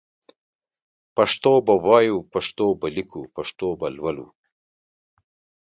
پښتو به وايو پښتو به ليکو پښتو به لولو